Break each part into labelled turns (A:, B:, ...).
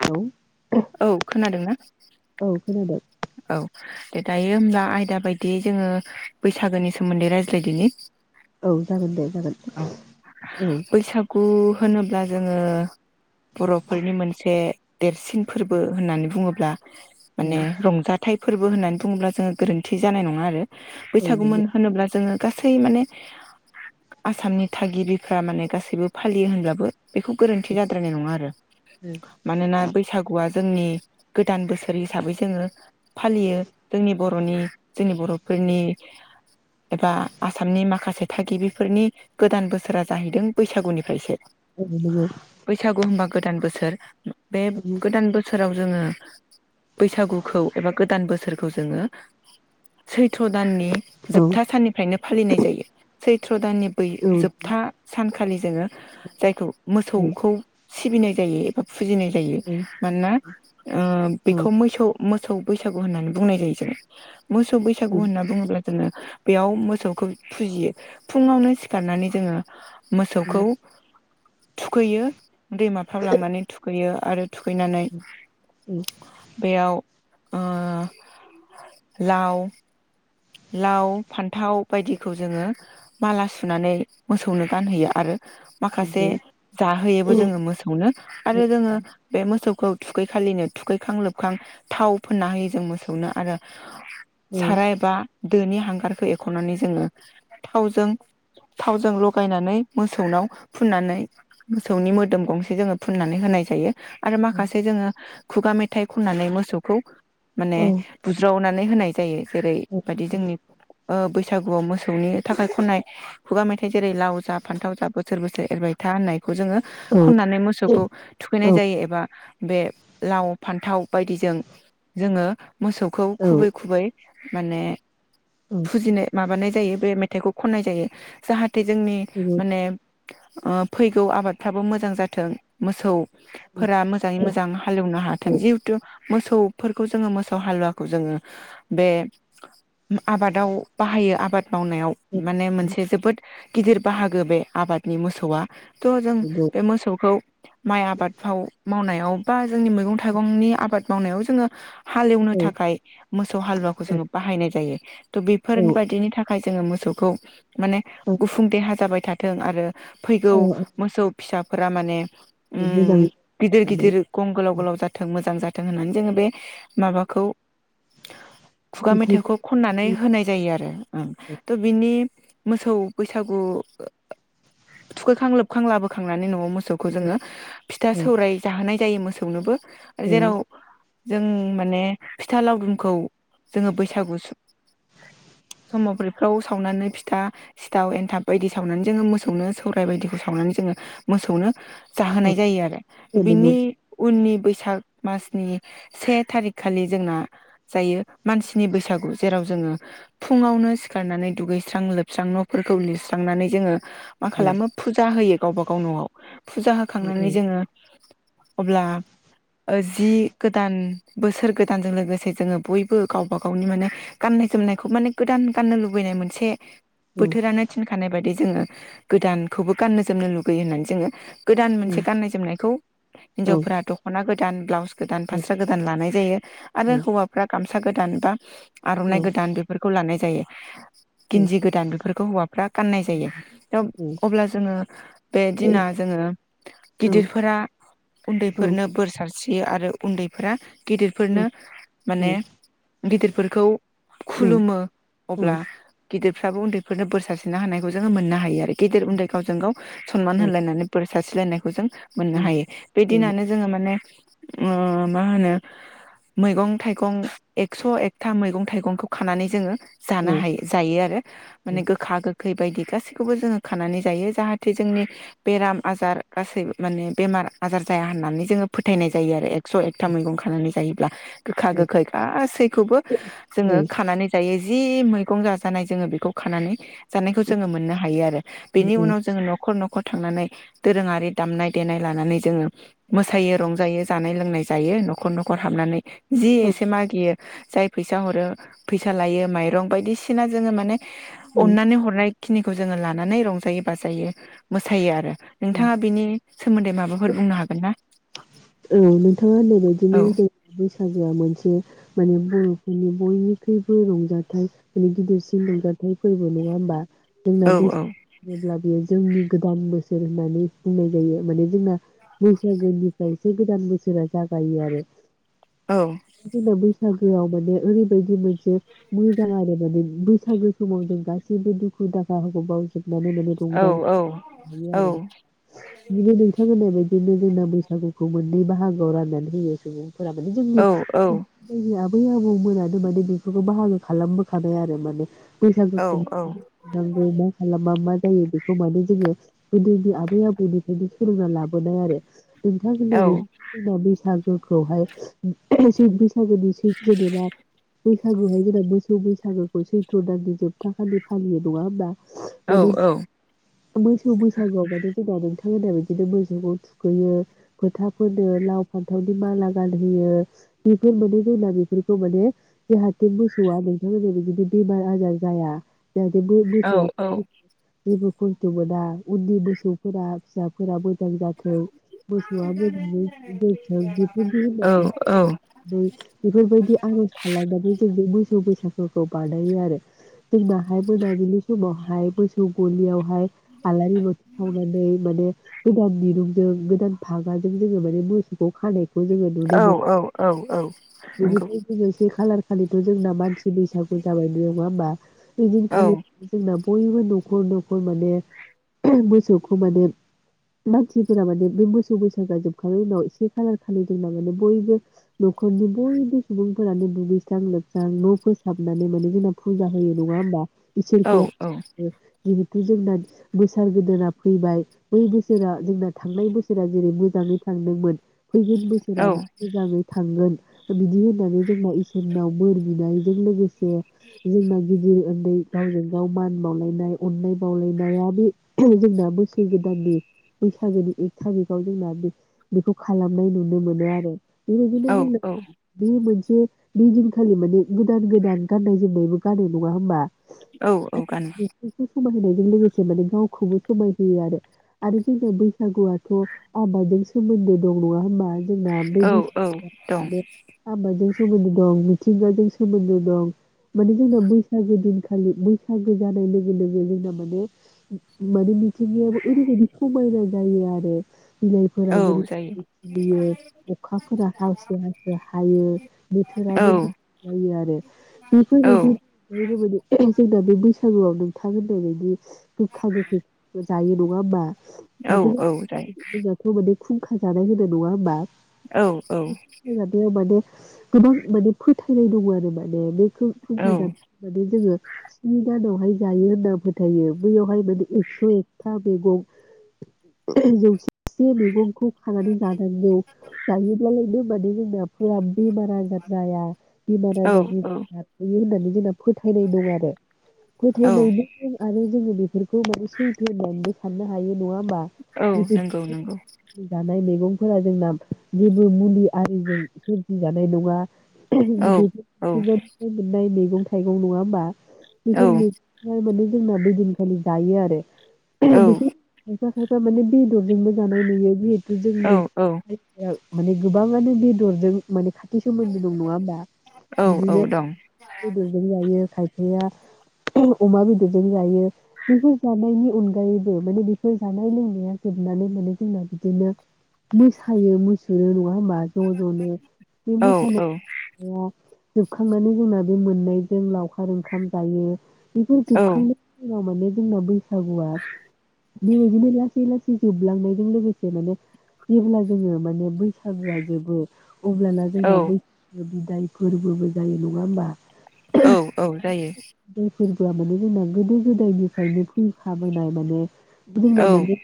A: औ
B: औ खोनादों ना
A: औ खोनादों
B: औ दे दायो होमब्ला आयदा बायदि जोङो बैसागोनि सोमोन्दै रायज्लायदोनि
A: औ जागोन दे जागोन
B: औ
A: औ
B: बैसागु होनोब्ला जोङो बर'फोरनि मोनसे देरसिन फोरबो होननानै बुङोब्ला माने
A: औ
B: रंजाथाइ फोरबो होननानै बुङोब्ला जोङो गोरोन्थि जानाय नङा आरो बैसागुमोन
A: नंगौ
B: होनोब्ला जोङो। गासै माने आसामनि थागिबिफ्रा माने गासैबो फालियो होनब्लाबो बेखौ गोरोन्थि जाद्रायनाय नङा आरो
A: औ
B: मानोना बैसागुआ जोंनि गोदान बोसोर हिसाबै जोङो फालियो जोंनि ब बर'नि जोंनि बर'फोरनि एबा आसामनि माखासे थागिबि फोरनि गोदान बोसोरा जाहैदों बैसागुनिफ्रायसो
A: नंगौ औ
B: बैसागु होनबा गोदान बोसोर बे गोदान बोसोराव जोङो बैसागुखौ एबा गोदान बोसोरखौ जोङो सैथ्र' दाननि
A: औ
B: जोबथा साननिफ्रायनो फालिनाय जायो सै सैत्र दाननि बै जोबथा सानखा खालि जोङो जायखौ मोसौखौ सिबिनाय जायो एबा फुजिनाय जायो मानना ओ बेखौ मैसौ मोस मोसौ बैसागु होननानै बुंनाय जायो जों मोसौ बैसागु होनना बुङोब्ला जोङो बेयाव मोसौखौ फुजियो फुङावनो सिखारनानै जोङो
A: औ
B: मोसौखौ थुखैयो दैमाफ्राव लांनानै थुखैयो आरो थुखैनानै बेयाव ओ लाव लाव फान्थाव बायदिखौ जोङो माला सुनानै मोसौनो गानहोयो आरो माखासे जाहोयोबो जोङो मोसौनो आरो जोङो बे मोसौ खौ थुखै खालिनो थुखैखां लोबखां थाव फोनना होयो जों मोसौनो आरो साराइबा दोनि हांगारखौ एख'नानै जोङो थावजों थावजों लगायनानै मोसौनाव फुननानै मोसौनि मोदोम गंसे जोङो फुननानै होनाय जायो आरो माखासे जोङो खुगा मेथाइ खननानै मोसौखौ माने बुज्रावना नै होनाय जायो जेरै बायदि जोंनि ओ बैसागुआव मोसौनि थाखाय खननाय खुगा मेथाइ जेरै लाव जा फान्थाव जा बोसोर बोसोर एरबायथा होननाय खौ जोङो खननानै मोसौखौ थुखैनाय
A: औ
B: जायो एबा बे लाव फान्थाव बायदिजों जोङो मोसौखौ खुबै खुबै माने फुजिनाय माबानाय बे मेथाइखौ खननाय जायो जाहाथे जाथे जोंनि माने ओ फैगौ आबादफ्राबो मोजां जाथों मोसौ फोरा मोजाङै मोजां हालेवनो हाथों जिहेथु मोसौफोरखौ जोङो मोसौ हालुवाखौ जोङो बे आबादाव बाहायो आबाद मावनायाव माने मोनसे जोबोद गिदिर बाहागो बे आबादनि मोसौआ थ' जों बे मोसौखौ माइ आबादफ्राव मावनायावबा जोंनि मैगं थाइगंनि आबाद मावनायाव जोङो हालेवनो थाखाय मोसौ हालुवाखौ जोङो बाहायनाय जायो जायो त' बेफोर बायदिनि थाखाय जोङो मो मोसौखौ माने गुफुं देहा जाबाय थाथों आरो फैगौ मोसौ फिसाफोरा माने उ गिदिर गिदिर गं गोलाव गोलाव जाथों मोजां जाथों थों होननानै जोङो बे माबाखौ खुगा मेथाइखौ नानै होनाय जायो आरो त'बिनि मोसौ बैसागु थुखैखां लोबखां लाबोखांनानै न'आव मोसौ मोसौखौ जोङो फिथा सौराय जाहोनाय जायो मोसौनोबो आरो जेराव जों माने फिथा लावदुमखौ जोङो बैसागुसो समाव बैफ्राव सावनानै फिथा सिथाव एन्थाब बायदि सावनानै जोङो मोसौनो सौराय बायदिखौ सावनानै जोङो मोसौनो जाहोनाय जायो आरो बिनि उननि बैसाग मासनि से थारिख खालि जोंना जायो मानसिनि बैसागु जेराव जोङो फुङावनो सिखारनानै दुगैस्रां लोबस्रां न'फोरखौ लिरस्रांनानै जोङो मा खालामो फुजा होयो गावबागाव न'आव फुजा होखांनानै जोङो अब्ला जि गोदान बोसोर गोदानजों लोगोसे जोङो बयबो गावबा गावनि माने गाननाय जोमनायखौ माने गोदान गाननो लुबैनाय मोनसे बोथोरानो थिनखानाय बायदि जोङो गोदानखौबो गाननो जोमनो लुगैयो होननानै जोङो गोदान मोनसे गाननाय जोमनायखौ हिनजावफोरा दख'ना गोदान गान ब्लाउस गोदान फास्रा गोदान लानाय जायो आरो
A: औ
B: हौवाफ्रा गाम गामसा गोदान बा
A: औ
B: आर'नाइ गोदान बेफोरखौ लानाय जायो गिन्जि गोदान बेफोरखौ हौवाफ्रा गाननाय जायो थ अब्ला जोङो बे दिना जोङो गिदिरफोरा उन्दैफोरनो बोर सारस्रि फोयो आरो उन्दैफोरा
A: औ
B: गिदिरफोरनो माने गिदिरफोरखौ खुलुमो
A: औ
B: अब्ला गिदिरफ्राबो उन्दैफोरनो बोर सारस्रिना होनायखौ जोङो मोननो हायो आरोखि गेदेर उन्दै गावजों गाव सनमान होलायनानै बोर सारस्रिलायनायखौ जों मोननो हायो बे दिनानो जोङो माने ओ मा होनो मैगं थाइगं एक्स' एकथा मैगं थाइगंखौ खानानै जोङो जानो हायो जायो आरो माने गोखा गोखै बायदि गासैखौबो जोङो खानानै जायो जाहाथे जोंनि बेराम आजार गासैबो माने बेमार आजार जाया होननानै जोङो फोथायनाय जायो आरो एकस' एकथा मैगं खानानै जायोब्ला गोखा गोखै गासैखौबो जोङो खानानै जा जि मैगं जाजानाय जोङो बेखौ खानानै जानायखौ जोङो मोननो हायो आरो बेनि
A: औ
B: उनाव जोङो न'खर न'खर थांनानै दोरोङारि दामनाय देनाय लानानै जोङो मोसायो रंजायो जानाय लोंनाय जायो न'खर न'खर हाबनानै जि एसे मा गियो जाय फैसा फैसा हरो फैसा लायो माइरं बायदिसिना जोङो माने
A: औ
B: अनानै हरनाय खिनिखौ जोङो लानानै रंजायो बाजायो मोसायो आरो नोंथाङा बेनि सोमोन्दै माबाफोर बुंनो हागोन ना
A: बिदिनो
B: औ
A: जों बैसागोआ मोनसे माने बर'फोरनि बयनिख्रुइबो रंजाथाइ माने गिदिरसिन रंजाथाइ फोरबो नङा होमबा जोंना
B: औ
A: बैसागु होनोब्ला बियो जोंनि गोदान बोसोर होननानै बुंनाय जायो माने जोंना बैसागोनिफ्रायसो गोदान बोसोरा जागायो आरो
B: औ
A: [unintelligible] बैसागोआव माने ओरैबायदि मोनसे मोजां आरो माने बिदिनो बैसागो समाव जों गासैबो दुखु दाहाफोरखौ
B: औ
A: बावजोब [unintelligible] आरो
B: औ
A: ना
B: औ
A: जुदि नोंथां होननाय बायदिनो जोंना बैसागुखौ मोननै बाहागोआव राननानै होयो सुबुं
B: औ
A: [unintelligible] बै आबौ मोनानो माने बेफोरखौ बाहागो खालामबोखादों आरो माने
B: औ
A: बैसागोखौ [unintelligible] नांगौ मा खालाबा मा जायो बेखौ माने जोङो गोदोनि आबै आबौनिफ्रायनो सोलोंना लाबोनाय आरो नोंथां
B: औ
A: होननाय बायदि बैसाग [unintelligible] [unintelligible] बैसागुनि जेरै मोसौ बैसा बागोखौ सैथ्र' दाननि जोबथा खालि फालियो नङा
B: औ
A: होमबा [unintelligible] बैसागु आव माने जोंना नोंथांमोना बिदिनो मोसौखौ थुखैयो फोथा फोनो लाव फान्थावनि माला गानहोयो बेफोर माने जोंना बेफोरखौ माने जाहाथे मोसौआ नोंथांमोना बिदिनो बेमार आजार जाया जाहाथे गो गो गोथौवा जेबो खस्थ'बो दां। उननि मोसौफोरा फिसाफोराबो मोजां जाथों मोसौआ मोजाङै दोनथों बेफोरनि होननानै बेफोरबायदि आर'ज खालामनानै जोंनि मोसौ बैसाग फोरखौ बानायो आरो जोंनाहाय मोनाबिलि समावहाय मोसौ गलियावहाय आलारि बाथि सावनानै माने गोदान दिरुंजों गोदान फागाजों जोङो माने मोसौ खौ खानायखौ जों नुनो
B: औ
A: मोनो
B: औ औ नंगौ
A: बेनिफ्राय गोजासिन खालार खालिथ' जोंना मानसि बैसागु जाबाय नुयो नङा होमबा
B: औ
A: ऐदिनखालि जोंना बयबो न'खर न'खर माने। मोसौखौ माने मानसिफोरा माने बे मोसौ बैसागोया जोबखांनायनि उनाव एसे खालार खालि जोंना माने बयबो न'खरनि बयबो सुबुंफोरानो दुगैस्रां लोबस्रां न' फोसाबनानै माने जोंना फुजा होयो नङा होमबा
B: औ
A: इसोरखौ
B: औ
A: [unintelligible] गुजोंनानै बोसोर गोदाना फैबाय बै बोसोरा जोंना थांनाय बोसोरा जेरै मोजाङै थांदोंमोन। फैगोन बोसोराबो मोजाङै थांगोन। बिदि होननानै जोंना इसोरनाव बोर बिनायजों लोगोसे से जोंना गिदिर उन्दै गावजों गाव मान मावलायनाय अननाय बावलायनाया बे जोंना बोसोर गोदाननि बैसागोनि एक थारिकाव जोंना बेखौ खालामनाय नुनो मोनो आरो। बेबायदिनो
B: औ
A: जों बे मोनसे बे बै दिनखालि माने गोदान गोदान गाननाय जोमनायबो गानो नङा होमबा
B: औ औ गानो।
A: समाय होनायजों लोगोसे लोगोसे गावखौबो समायहोयो आरो आरो जोंना बैसागुआथ' आबादजों सोमोन्दो दं नङा होमबा जोंना बे
B: औ औ
A: बैसागोआ
B: दं
A: माने आबादजों सो सोमोन्दो दं मिथिंगाजों सोमोन्दो दं माने जोंना बैसागो दिनखालि बैसागो जानाय लोगो लोगो जोंना माने माने मिथिंगायाबो ओरैबायदि समायना जायो आरो। बिलाइफोरा
B: औ जायो
A: गोरलै खिलियो अखाफोरा हासो हासो हायो।
B: औ
A: बोथोराबो मोजां जायो आरो
B: औ
A: बेफोरबायदि [unintelligible] बे बैसागुआव नोंथां होननाय बायदि गोखा गोखै जायो नङा होनबा
B: औ
A: बेखौनो
B: औ जायो
A: जोंनाथ' माने खुंखा जानाय होनो नङा होमबा।
B: औ
A: [unintelligible] माने गोबां माने फोथायनाय दङ आरो माने बे
B: औ
A: खुं-खुंखा जानानै जोङो स्नि दा दहाय जायो होनना फोथायो बेयावहाय माने एकस' एकथा मैगं [unintelligible] जौसेसे मैगंखौ खानानै जानांगौ जायोब्ला लाय बे बादि जोंना फोरा बेमार आजार जाया बेमार आजारनि
B: औ
A: [unintelligible] होननानै जोंना फोथायनाय दं आरो
B: औ
A: फोथायनायजों आरो जोङो बेफोरखौ माने सैथो होननानैबो साननो हायो नङा ओमबा
B: औ नंगौ नंगौ
A: [unintelligible] जानाय मैगं फोरा जोंना जेबो मुलि आरिजों सोरजि जानाय नङा। [unintelligible]
B: औ
A: बैफोर
B: औ
A: मिथिंगानिफ्राय मोननाय मैगं थाइगं नङा होमबा?
B: औ
A: [unintelligible] जोंनाबो दिनखालि जायो आरो।
B: औ
A: बेखौ खायफा खायफा माने बेदरजों बो जानाय नुयो गोदोनि
B: औ
A: [unintelligible] माने गोबाङानो बेदरजों माने खाथ थि सोमोन्दो दं नङा होमबा?
B: औ औ
A: बिदिनो
B: दं
A: बेदरजों जायो खाय गैया अमा बेदरजों जायो बेफोर जानायनि अनगायैबो माने बेफोर जानाय लोंनाया जोबनानै माने जोंना बिदिनो मोसायो मुसुरो नङा होमबा ज' ज'नो बे
B: औ
A: मोसानाया जोबखांनानै जोंना [unintelligible] मोननायजों लावखार ओंखाम जायो। बेफोर जोबखांनाय माने जोंना बैसागुआ बेबायदिनो लासै लासै जोबलांनायजों लोगोसे माने जेब्ला जोङो माने बैसागुआ जोबो अब्लाना
B: औ
A: जोंना [unintelligible] जाय फोरबोबो जायो नङा होमबा?
B: औ औ जायो।
A: जाय फोरबोआ माने जोंना गोदो गोदो गोदायनिफ्रायनो फैखाबोनाय माने जोंना
B: औ
A: माने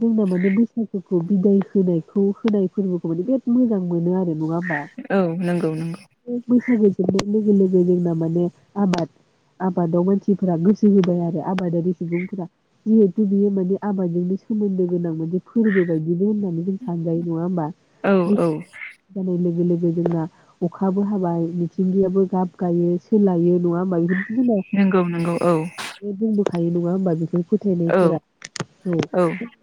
A: जोंना माने बैसागु खौ बिदाय होनायखौ होनाय फोरबोखौ माने बिराद मोजां मोनो आरो नङा बा
B: औ नंगौ नंगौ
A: [unintelligible] बैसागु लोगो लोगो जोंना माने आबाद आबादाव मानसिफोरा गोस सोलिबाय आरो आबादारि सुबुंफोरा जिहेथु बियो माने आबादजोंनो सोमोन्दो गोनां मोनसे फोरबो बायदिबो होननानै जों सानजायो। नङा होमबा?
B: औ औ
A: [unintelligible] नै जोंना अखाबो हाबाय मिथिंगायाबो गाब गायो सोलायो नङा होमबा बेफोर
B: नोंगौ नोंगौ औ।
A: बुंबोखायो नङा होमबा बेफोर
B: औ
A: फोथायनायफोरा औ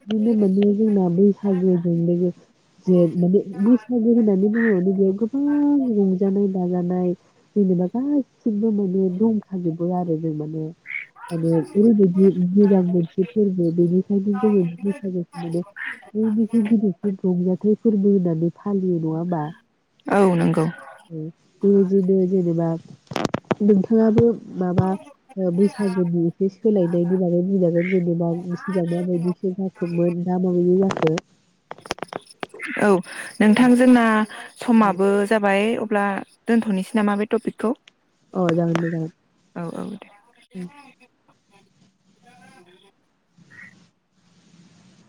A: बिदिनो मोने जोंना बैसागोजों लोगो से माने बैसागो होननानै बुङो बेयाव गोबां रंजानाय बाजानाय जेनेबा गासिबो माने दंखाजोबो आरो जों माने माने ओरैबायदि मोजां मोनसे फोरबो बिनिखायनो जोङो बैसागोखौ माने बयनिफ्राय गिदिरसिन रंजाथाइ फोरबो होनानै फालियो नङाहोनबा
B: औ नंगौ
A: औ जोङो जेने जेनेबा नोंथाङाबो माबा ओ बैस बैसागुनि एसे सोलायनायनि बागै बुंनागोन जेनेबा सिगां माबायदि थो जाखोमोन दा माबायदि जाखो
B: औ नोंथां जोंना
A: जाखो
B: समाबो जाबाय अब्ला दोनथ'नोसै नामा बे टपिकखौ
A: अ जागोन दे जागोन
B: औ औ दे। [inaudible]